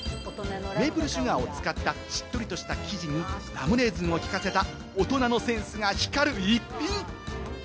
メープルシュガーを使った、しっとりとした生地にラムレーズンを効かせた大人のセンスが光る逸品！